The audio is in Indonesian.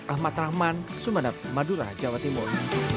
ahmad rahman sumeneb madura jawa timur